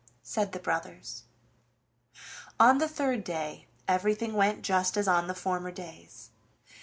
said the brothers. On the third day everything went just as on the former days.